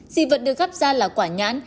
di vật được gắp ra là quả nhãn